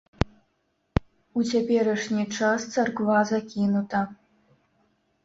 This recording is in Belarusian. У цяперашні час царква закінута.